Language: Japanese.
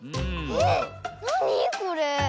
えっなにこれ？